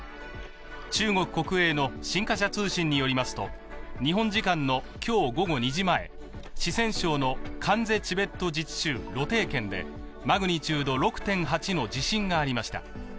中国国営の新華社通信によりますと日本時間の今日午後２時前、四川省のカンゼ・チベット自治州瀘定県でマグニチュード６．８の地震がありました。